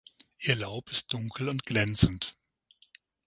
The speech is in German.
Ihr Laub ist dunkel und glänzend.